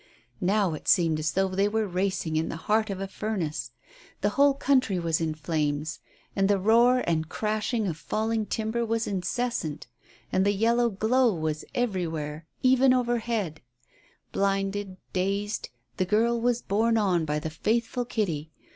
Now it seemed as though they were racing in the heart of a furnace. The whole country was in flames, and the roar and crashing of falling timber was incessant, and the yellow glow was everywhere even ahead. Blinded, dazed, the girl was borne on by the faithful Kitty.